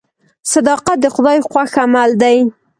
صداقت د خدای خوښ عمل دی.